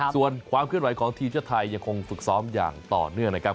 ส่วนความเคลื่อนไหวของทีมชาติไทยยังคงฝึกซ้อมอย่างต่อเนื่องนะครับ